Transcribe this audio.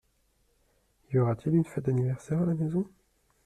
Y aura-t-il une fête d’anniversaire à la maison ?